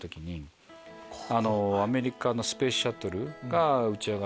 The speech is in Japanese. アメリカのスペースシャトルが打ち上がって。